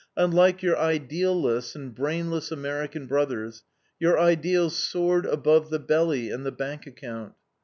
Unlike your idealless and brainless American brothers, your ideals soared above the belly and the bank account.